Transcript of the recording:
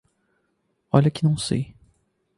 Olha que não sei.